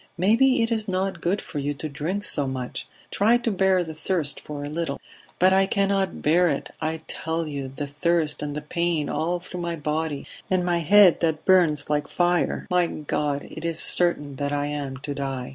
"Maybe it is not good for you to drink so much. Try to bear the thirst for a little." "But I cannot bear it, I tell you the thirst and the pain all through my body, and my head that bums like fire ... My God! It is certain that I am to die."